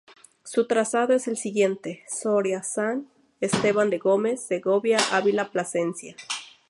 Su trazado es el siguiente: Soria-San Esteban de Gormaz-Segovia-Ávila-Plasencia.